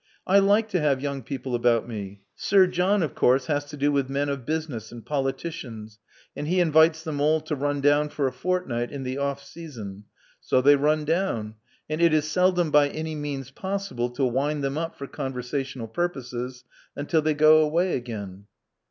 I like to have young people about me. Sir John, of course, has to do with men of business and politicians; and he invites them all to run down for a fortnight in the off season. So they run down; and it is seldom by any means possible to wind them up for conversational purposes until they go away again."